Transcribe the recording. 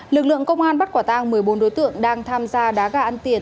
lực lượng công an bắt quả tang một mươi bốn đối tượng đang tham gia đá gà ăn tiền